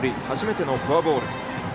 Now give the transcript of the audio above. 初めてのフォアボール。